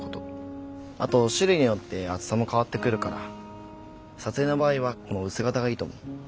あと種類によって厚さも変わってくるから撮影の場合はこの薄型がいいと思う。